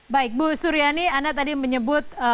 baik bu suryani anda tadi menyebut